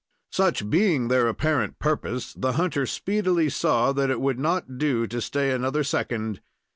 Such being their apparent purpose, the hunter speedily saw that it would not do to stay another second.